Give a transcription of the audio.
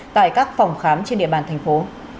tại các phòng khám trên địa bàn thành phố